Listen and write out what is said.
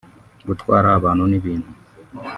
gutwara abantu n’ibintu